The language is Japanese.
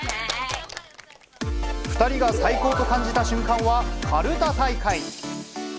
２人が最高と感じた瞬間はかるた大会。